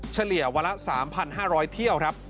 เฉลี่ยวันละ๓๕๐๐เที่ยวครับ